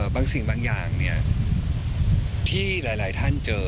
บางสิ่งบางอย่างที่หลายท่านเจอ